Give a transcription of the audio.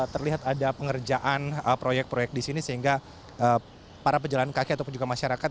terlihat ada pengerjaan proyek proyek di sini sehingga para pejalan kaki ataupun juga masyarakat